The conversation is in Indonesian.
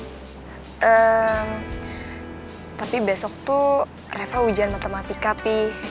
eee tapi besok tuh reva ujian matematika pi